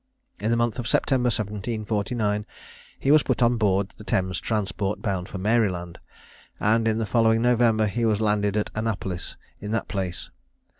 In the month of September, 1749, he was put on board the Thames transport, bound for Maryland, and in the following November he was landed at Annapolis, in that place.